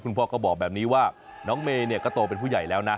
พ่อก็บอกแบบนี้ว่าน้องเมย์เนี่ยก็โตเป็นผู้ใหญ่แล้วนะ